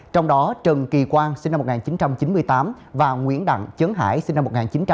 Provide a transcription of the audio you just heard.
trong đó trần kỳ quang sinh năm một nghìn chín trăm chín mươi tám và nguyễn đặng chấn hải sinh năm một nghìn chín trăm chín mươi chín